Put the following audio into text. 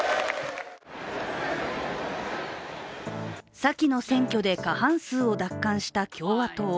先の選挙で、過半数を奪還した共和党。